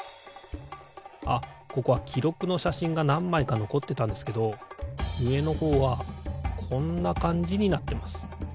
あここはきろくのしゃしんがなんまいかのこってたんですけどうえのほうはこんなかんじになってます。